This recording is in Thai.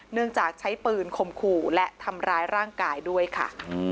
จากใช้ปืนข่มขู่และทำร้ายร่างกายด้วยค่ะ